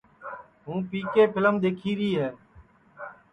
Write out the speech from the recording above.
ہوں پی کے پھیلم دؔیکھیری ہے